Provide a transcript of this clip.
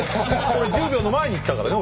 俺１０秒の前に言ったからね